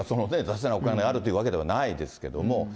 今回のがお金があるというわけではないですけど。